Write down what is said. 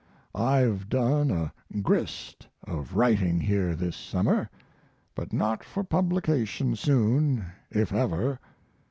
I've done a grist of writing here this summer, but not for publication soon, if ever.